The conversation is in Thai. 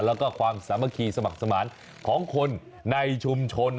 แล้วก็ความสามัคคีสมัครสมานของคนในชุมชน